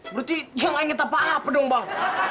berarti dia gak inget apa apa dong bang